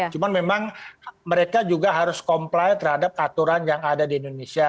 cuma memang mereka juga harus comply terhadap aturan yang ada di indonesia